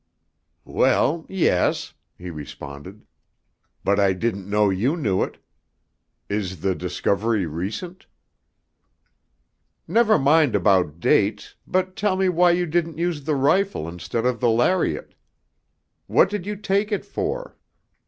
"Well, yes," he responded, "but I didn't know you knew it. Is the discovery recent?" "Never mind about dates, but tell me why you didn't use the rifle instead of the lariat? What did you take it for?"